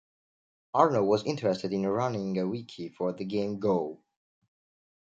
Arno was interested in running a wiki for the game Go.